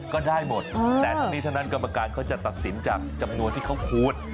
ก็ได้หมดแต่ทั้งนี้ทั้งนั้นกรรมการเขาจะตัดสินจากจำนวนที่เขาคูณ